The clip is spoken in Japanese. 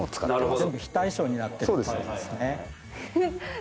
全部非対称になってるってことですね。